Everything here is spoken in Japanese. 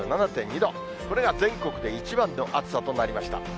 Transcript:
これが全国で一番の暑さとなりました。